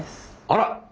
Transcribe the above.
あら！